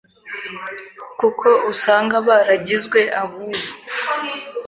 kuko usanga baragizwe ab’ubu,